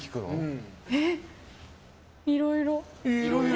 いろいろ。